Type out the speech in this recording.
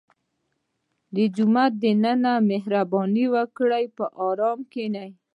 • د جومات دننه مهرباني وکړه، په ارام کښېنه.